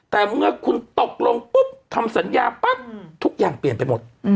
แต่เมื่อคุณตกลงปุ๊บทำสัญญาปั๊บทุกอย่างเปลี่ยนไปหมด